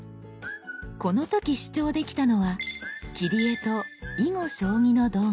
この時視聴できたのは「切り絵」と「囲碁将棋」の動画。